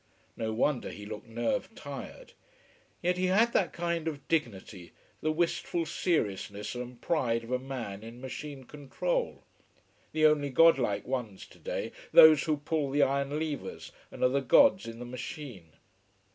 No wonder he looked nerve tired. Yet he had that kind of dignity, the wistful seriousness and pride of a man in machine control: the only god like ones today, those who pull the iron levers and are the gods in the machine.